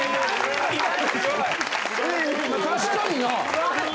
確かにな。